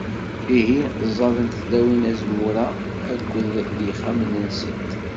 Ihi, ẓẓadent tlawin azemmur-a akkit deg yixxamen-nsent.